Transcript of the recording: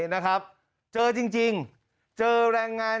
นะครับเจอจริงเจอแรงงาน